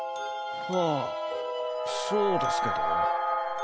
はあそうですけど。